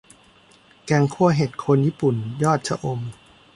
แกงคั่วเห็ดโคนญี่ปุ่นยอดชะอม